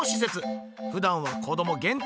ふだんは子ども限定。